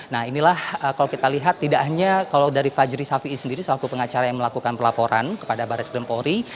nah inilah kalau kita lihat tidak hanya kalau dari fajri safi'i sendiri selaku pengacara yang melakukan pelaporan kepada baris kedempori